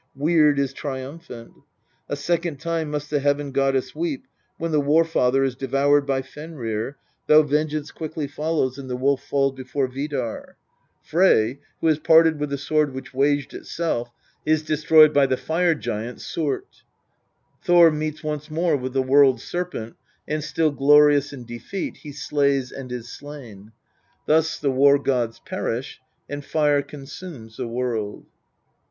Weird is triumphant. A second time must the Heaven goddess weep, when the War father is devoured by Fenrir, though vengeance quickly follows, and the Wolf falls before Vidar ; Frey, who has parted with the sword which waged itself, is destroyed by the Fire giant Surt ; Thor meets once more with the World Serpent, and still glorious in defeat, he slays and is slain. Thus the war gods perish, and fire consumes the world.